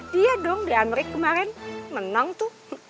dia dong di andrick kemarin menang tuh